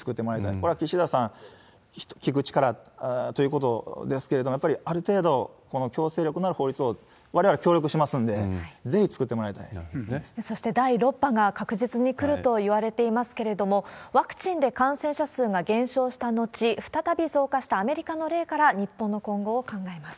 これは岸田さん、聞く力ということですけれども、やっぱりある程度、強制力のある法律を、われわれ協力しますんで、ぜひ作ってもらいそして、第６波が確実に来るといわれていますけれども、ワクチンで感染者数が減少した後、再び増加したアメリカの例から日本の今後を考えます。